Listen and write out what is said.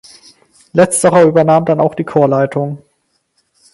Letzterer übernahm dann auch die Chorleitung.